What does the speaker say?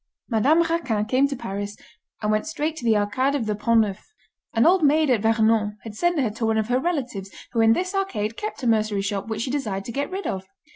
Madame Raquin came to Paris, and went straight to the Arcade of the Pont Neuf. An old maid at Vernon had sent her to one of her relatives who in this arcade kept a mercery shop which she desired to get rid of.